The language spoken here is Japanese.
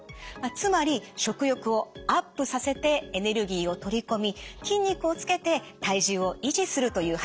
つまり食欲をアップさせてエネルギーを取り込み筋肉をつけて体重を維持するという働きがあるんです。